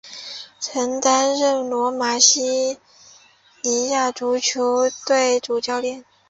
曾担任罗马尼亚国家足球队主教练。